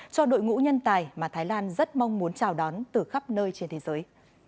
cho đội ngũ nhân tài mà thái lan rất mong muốn chào đón từ khắp nơi trên thế giới